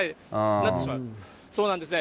なってしまう、そうなんですね。